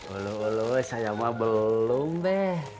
ulu ulu sayama belum be